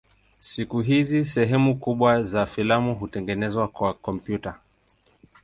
Siku hizi sehemu kubwa za filamu hutengenezwa kwa kompyuta.